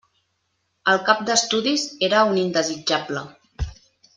El cap d'estudis era un indesitjable.